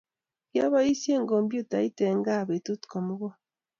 Kiyoboishee kompyutait eng gaa betut komugul